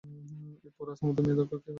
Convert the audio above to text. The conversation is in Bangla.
এই পোরাস, আমার মেয়ে দারাকার কী হয়েছে?